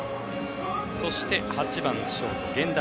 そして８番のショート源田。